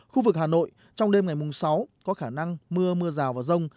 khu vực hà nội trong đêm ngày mùng sáu có khả năng mưa mưa rào và rông